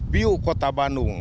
piu kota bandung